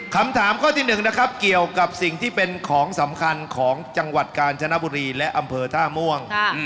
คำถามข้อที่๑นะครับเกี่ยวกับสิ่งที่เป็นของสำคัญของจังหวัดกาญจนบุรีและอำเภอท่าม่วง